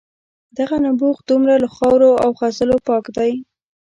دغه نبوغ دومره له خاورو او خځلو پاک دی.